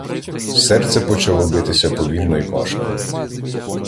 Серце почало битися повільно й важко.